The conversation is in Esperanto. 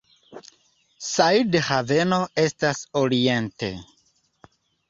Said Haveno estas oriente.